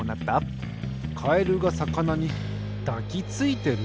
カエルがさかなにだきついてる？